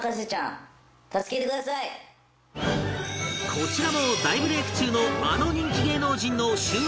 こちらも大ブレイク中のあの人気芸能人の収納